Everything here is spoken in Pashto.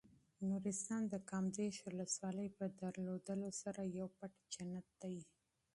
نورستان د کامدېش ولسوالۍ په درلودلو سره یو پټ جنت دی.